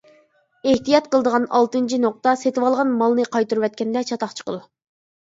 ئېھتىيات قىلىدىغان ئالتىنچى نۇقتا: سېتىۋالغان مالنى قايتۇرۇۋەتكەندە چاتاق چىقىدۇ.